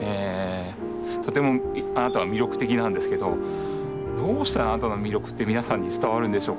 「とてもあなたは魅力的なんですけどどうしたらあなたの魅力って皆さんに伝わるんでしょうか？